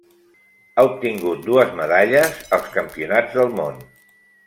Ha obtingut dues medalles als Campionats del món.